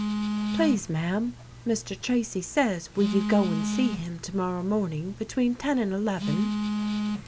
"Please, ma'am, Mr. Tracy says will you go and see him to morrow morning between ten and eleven?"